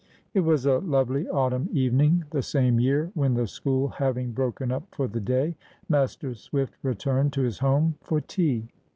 IT was a lovely autumn evening the same year, when the school having broken up for the day, Master Swift returned to his home for tea.